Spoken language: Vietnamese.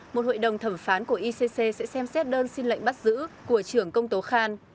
một hội đồng thẩm phán của icc sẽ xem xét đơn xin lệnh bắt giữ của trưởng công tố khan